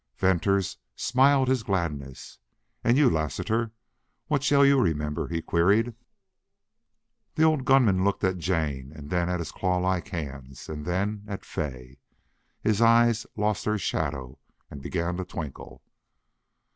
Venters smiled his gladness. "And you Lassiter what shall you remember?" he queried. The old gun man looked at Jane and then at his clawlike hands and then at Fay. His eyes lost their shadow and began to twinkle.